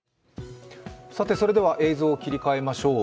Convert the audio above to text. それでは映像を切り替えましょう。